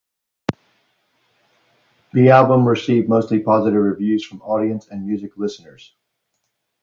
The album received mostly positive reviews from audiences and music listeners.